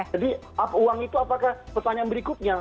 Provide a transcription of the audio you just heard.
jadi uang itu apakah pesan yang berikutnya